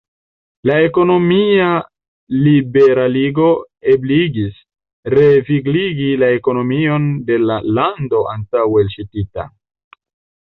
La ekonomia liberaligo ebligis revigligi la ekonomion de la lando antaŭe elsuĉita.